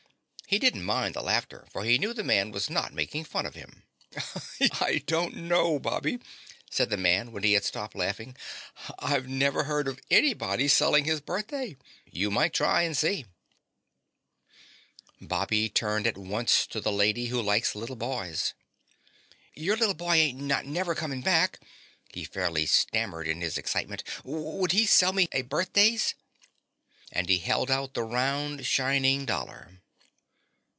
He didn't mind the laughter for he knew the man was not making fun of him. "I don't know, Bobby," said the man when he had stopped laughing. "I've never heard of anybody selling his birthday. You might try and see." Bobby turned at once to the Lady Who Likes Little Boys. "Your little boy ain't not never coming back," he fairly stammered in his excitement. "Would he sell me a birthdays?" And he held out the round, shining dollar.